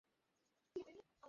উঠাও সবগুলো কে গাড়িতে!